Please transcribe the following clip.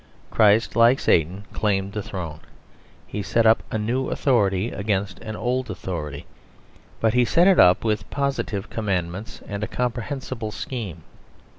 Christ, like Satan, claimed the throne. He set up a new authority against an old authority; but He set it up with positive commandments and a comprehensible scheme.